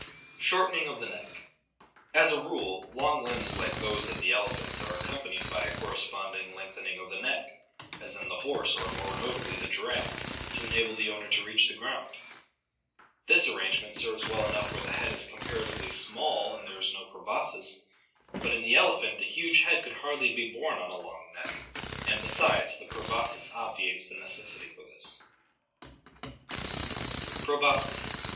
Shortening of the Neck. — As a rule, long limbs like those of the elephants are accompanbd by a corresponding lengthening of the neck, as in the horse or more notably the giraffe, to enable the owner to reach the ground. This arrangement serves well enough where the head is comparatively small and there is no proboscis, but in the elephant the huge head could hardly be borne on a long neck, and besides, the proboscis obviates the necessity for this, 582 ORGANIC EVOLUTION Proboscis.